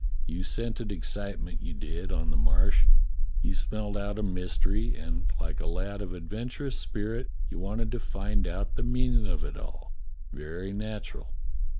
You scented excitement, you did, on the Marsh. You smelt out a mystery, and like a lad of adventurous spirit you wanted to find out the meanin' of it all. Very natural.